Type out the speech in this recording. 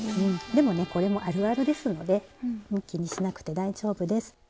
でもねこれもあるあるですので気にしなくて大丈夫です。